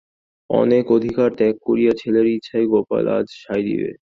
অনেক অধিকার ত্যাগ করিয়া ছেলের ইচ্ছায় গোপাল আজ সায় দিবে।